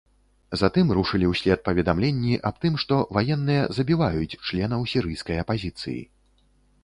Затым рушылі ўслед паведамленні аб тым, што ваенныя забіваюць членаў сірыйскай апазіцыі.